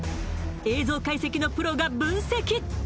影像解析のプロが分析